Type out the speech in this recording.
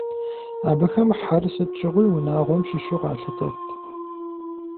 Абыхэм хьэр сыт щыгъуи унагъуэм щыщу къалъытэрт.